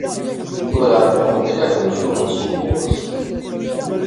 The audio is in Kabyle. Ur ɛlimeɣ mliḥ d acu ur nṣub ɣur-s.